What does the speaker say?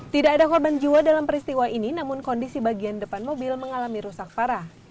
tidak ada korban jiwa dalam peristiwa ini namun kondisi bagian depan mobil mengalami rusak parah